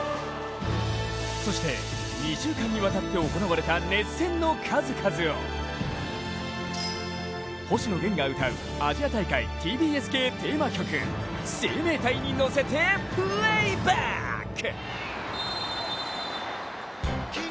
そして、２週間にわたって行われた熱戦の数々を星野源が歌うアジア大会ＴＢＳ系テーマ曲、「生命体」にのせて、プレーバック！